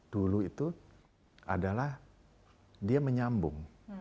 dulu itu adalah dia menyambung